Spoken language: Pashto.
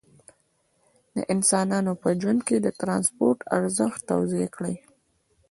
د انسانانو په ژوند کې د ترانسپورت ارزښت توضیح کړئ.